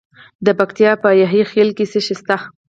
د پکتیکا په یحیی خیل کې څه شی شته؟